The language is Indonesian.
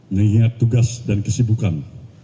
mengingat tugas dan kesibukan